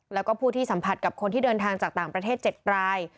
แล้วก็ผู้ที่สัมผัสกับคนที่เดินทางจากต่างประเทศ๗ราย